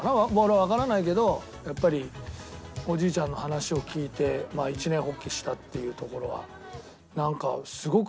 わからないけどやっぱりおじいちゃんの話を聞いて一念発起したっていうところはなんか。